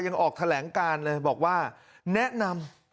ออกแถลงการเลยบอกว่าแนะนำ